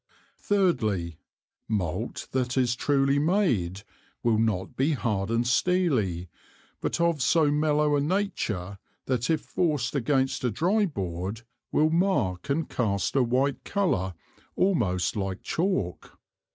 Thirdly, Malt that is truly made will not be hard and steely, but of so mellow a Nature, that if forced against a dry Board, will mark and cast a white Colour almost like Chalk.